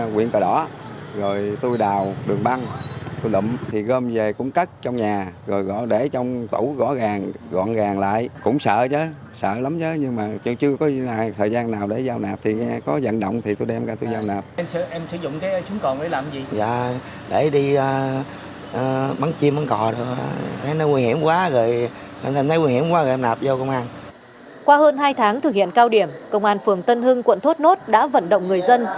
qua hơn hai tháng thực hiện cao điểm công an phường tân hưng quận thốt nốt đã vận động người dân